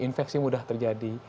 infeksi mudah terjadi